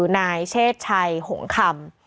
นายเชศชัยหงคำ